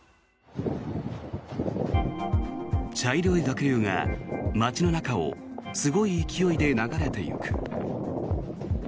茶色い濁流が街の中をすごい勢いで流れていく。